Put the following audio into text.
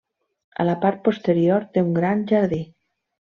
A la part posterior té un gran jardí.